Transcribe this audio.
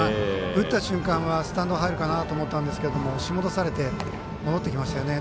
打った瞬間はスタンドに入るかな？と思ったんですが押し戻されて戻ってきましたよね。